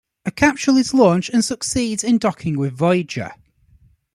A capsule is launched and succeeds in docking with "Voyager".